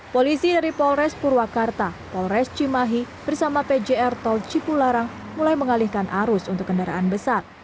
polisi dari polres purwakarta polres cimahi bersama pjr tol cipularang mulai mengalihkan arus untuk kendaraan besar